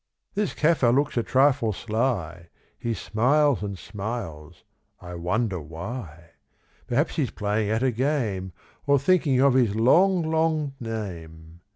This Kaffir looks a trifle sly, He smiles and smiles, I wonder why? Perhaps he's playing at a game, Or thinking of his long, long name.